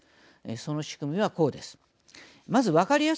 その仕組みはこうです。